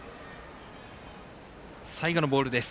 最後のボールです。